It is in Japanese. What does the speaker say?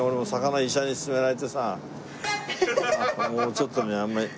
最近俺ももうちょっとねあんまり。